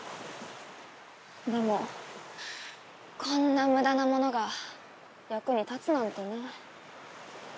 でもこんな無駄なものが役に立つなんてね。